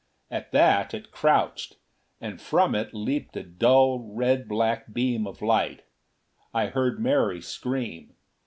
At that it crouched, and from it leaped a dull red black beam of light. I heard Mary scream.